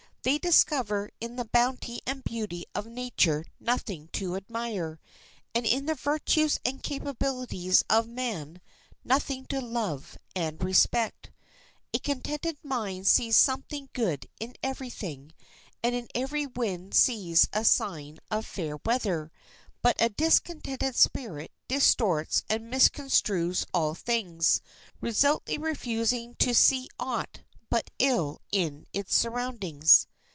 They discover in the bounty and beauty of nature nothing to admire, and in the virtues and capabilities of man nothing to love and respect. A contented mind sees something good in every thing, and in every wind sees a sign of fair weather; but a discontented spirit distorts and misconstrues all things, resolutely refusing to see aught but ill in its surroundings.